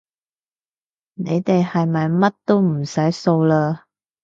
你哋係咪乜都唔使掃嘞